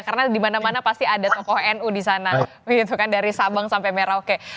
karena di mana mana pasti ada tokoh nu di sana gitu kan dari sabang sampai merauke